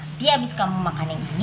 nanti abis kamu makan yang ini